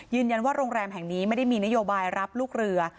ยืนยันว่าโรงแรมแห่งนี้ไม่ได้มีนโยบายรับลูกเรือ